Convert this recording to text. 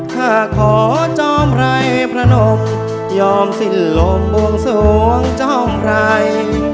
ข้าขอจอมรัยพระนมยอมสิ่งลมบวงส่วงจอมรัย